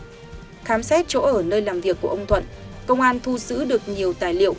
khi khám xét chỗ ở nơi làm việc của ông thuận công an thu xử được nhiều tài liệu